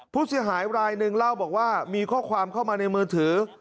ผู้เสียหายรายหนึ่งเล่าบอกว่ามีข้อความเข้ามาในมือถือ